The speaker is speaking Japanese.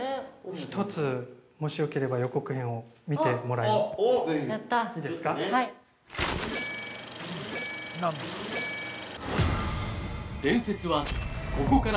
◆１つもしよければ、予告編を見てもらっていいですか。